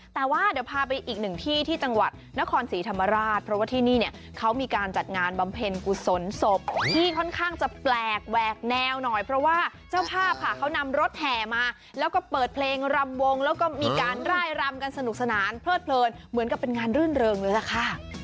แต่ว่าเดี๋ยวพาไปอีกหนึ่งที่ที่จังหวัดนครศรีธรรมราชเพราะว่าที่นี่เนี่ยเขามีการจัดงานบำเพ็ญกุศลศพที่ค่อนข้างจะแปลกแหวกแนวหน่อยเพราะว่าเจ้าภาพค่ะเขานำรถแห่มาแล้วก็เปิดเพลงรำวงแล้วก็มีการร่ายรำกันสนุกสนานเพลิดเพลินเหมือนกับเป็นงานรื่นเริงเลยล่ะค่ะ